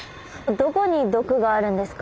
どこに毒があるんですか？